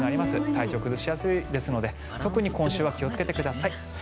体調崩しやすいですので特に今週は気をつけてください。